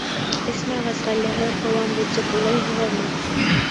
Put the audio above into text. Эсмәгәс, ғаиләһе ҡыуанды, тип уйлайһығыҙмы?